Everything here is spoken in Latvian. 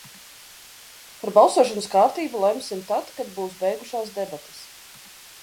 Par balsošanas kārtību lemsim tad, kad būs beigušās debates.